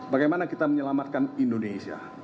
bagaimana kita menyelamatkan indonesia